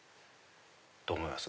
どう思います？